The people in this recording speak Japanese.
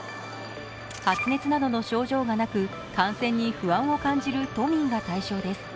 発熱などの症状がなく、感染に不安を感じる都民が対象です。